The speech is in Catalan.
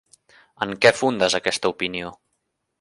En què fundes aquesta opinió?